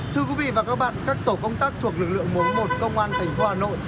thưa quý vị và các bạn các tổ công tác thuộc lực lượng mối một công an tp hà nội